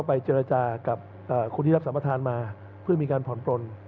ไปเจรจากับคนที่รับสัมประธานมาเพื่อมีการผ่อนปลน